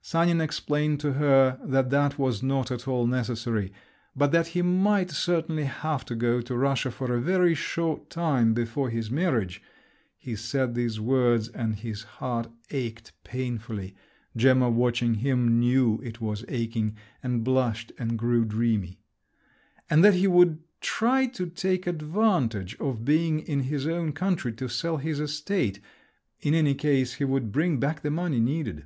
Sanin explained to her that that was not at all necessary … but that he might certainly have to go to Russia for a very short time before his marriage—(he said these words, and his heart ached painfully, Gemma watching him, knew it was aching, and blushed and grew dreamy)—and that he would try to take advantage of being in his own country to sell his estate … in any case he would bring back the money needed.